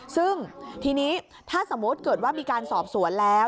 ซึ่งทีนี้ถ้าสมมุติเกิดว่ามีการสอบสวนแล้ว